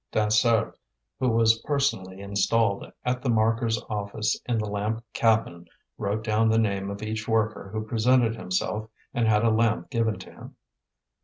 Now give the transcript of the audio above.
Dansaert, who was personally installed at the marker's office in the lamp cabin, wrote down the name of each worker who presented himself and had a lamp given to him.